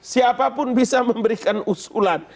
siapapun bisa memberikan usulan